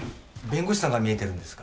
弁護士さんが見えてるんですが。